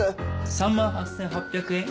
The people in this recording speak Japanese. ３万８８００円。